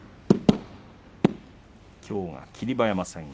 きょうは霧馬山戦。